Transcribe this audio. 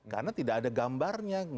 karena tidak ada gambarnya